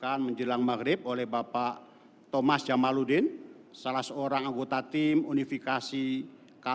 dan juga sebagian yang tidak